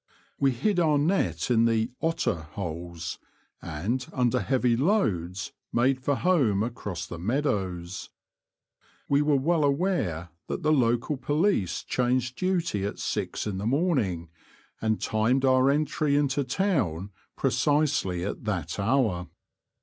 We hid our net in the '' otter " holes, and, under heavy loads, made for home across the meadows. We were well aware that the local police changed duty at six in the morning, and timed our entry into town precisely at that hour.